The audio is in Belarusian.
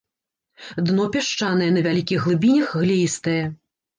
Дно пясчанае, на вялікіх глыбінях глеістае.